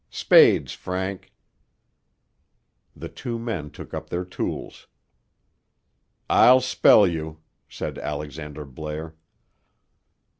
Spades, Frank." The two men took up their tools. "I'll spell you," said Alexander Blair.